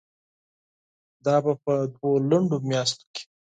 دا به په دوو لنډو میاشتو کې